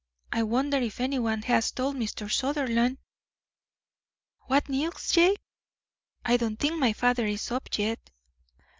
I wonder if anyone has told Mr. Sutherland." "What news, Jake? I don't think my father is up yet."